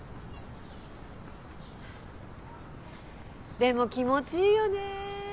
でも気持ちいいよね。